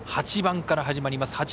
８番から始まります。